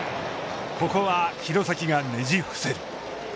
ここは廣崎がねじ伏せる。